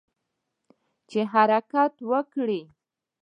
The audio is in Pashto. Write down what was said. چې حرکت وکړي.